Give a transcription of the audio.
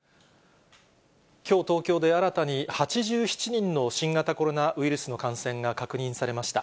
きょう東京で新たに８７人の新型コロナウイルスの感染が確認されました。